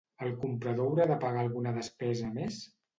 El comprador haurà de pagar alguna despesa més?